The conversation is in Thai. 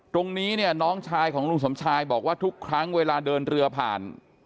ตรงนี้เนี่ยน้องชายของลุงสมชายบอกว่าทุกครั้งเวลาเดินเรือผ่าน